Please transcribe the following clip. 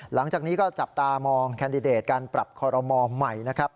หลังจากนี้ก็จับตามองแคนดิเดตการปรับคอรมอลใหม่นะครับ